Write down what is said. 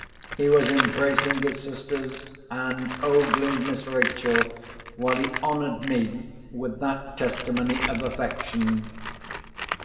He was embracing his sisters, and ogling Miss Rachel, while he honoured me with that testimony of affection.